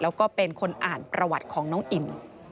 แล้วก็เป็นคนอ่านประวัติของน้องอิ่ม